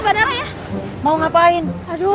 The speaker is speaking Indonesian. semangat ya bu